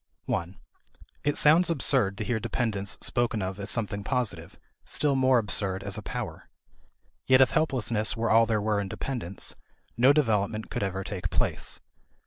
(1) It sounds absurd to hear dependence spoken of as something positive, still more absurd as a power. Yet if helplessness were all there were in dependence, no development could ever take place.